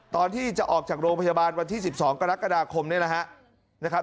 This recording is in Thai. ตอนที่จะออกจากโรงพยาบาลวันที่๑๒กรกฎาคมเนี่ยนะครับ